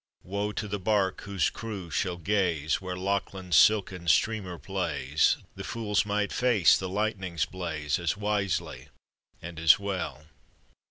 Woe to the bark whose crew shall gaze, Where Lachlan's silken streamer plays 1 The fools might face the lightning's blaze As wisely and as well